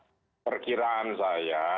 ini ada perkiraan saya